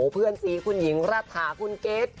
เพื่อนสีคุณหญิงรัฐาคุณเกรท